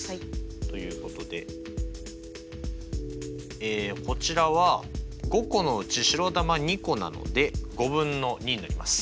ということでこちらは５個のうち白球２個なので５分の２になります。